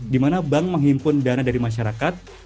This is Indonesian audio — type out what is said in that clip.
dimana bank menghimpun dana dari masyarakat